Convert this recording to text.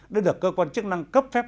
để được cơ quan chức năng cấp phép